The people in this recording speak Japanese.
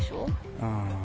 うん。